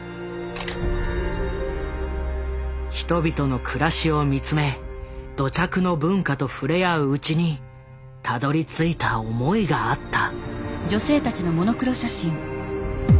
人々の暮らしを見つめ土着の文化と触れ合ううちにたどりついた思いがあった。